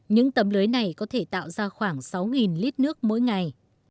những tấm lưới này có thể tạo ra khoảng sáu lít nước mỗi ngày